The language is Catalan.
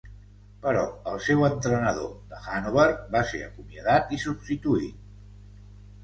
Però el seu entrenador de Hannover va ser acomiadat i substituït.